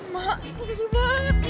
makasih banget nia